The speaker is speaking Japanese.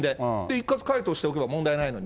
一括回答しておけば問題ないのに。